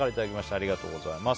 ありがとうございます。